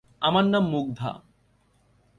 আমার নাম মুগ্ধা!